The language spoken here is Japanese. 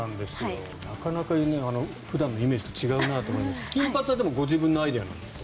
なかなか普段のイメージと違うなと思いますが金髪はご自分のアイデアですか？